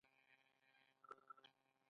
دغه تعلیمي حوزه د منابعو په اساس ټاکل شوې ده